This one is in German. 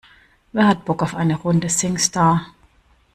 Wer hat Bock auf eine Runde Singstar?